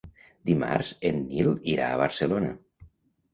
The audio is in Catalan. Dimarts en Nil irà a Barcelona.